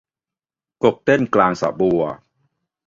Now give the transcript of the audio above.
กบเต้นกลางสระบัว